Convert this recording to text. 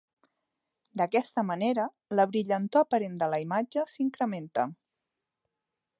D'aquesta manera, la brillantor aparent de la imatge s'incrementa.